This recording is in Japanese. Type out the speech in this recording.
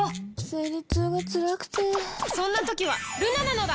生理痛がつらくてそんな時はルナなのだ！